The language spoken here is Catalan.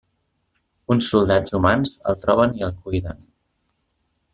Uns soldats humans el troben i el cuiden.